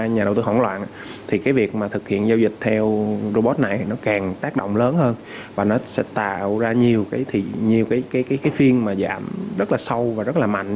nó sẽ tạo ra nhiều phiên giảm rất sâu và rất mạnh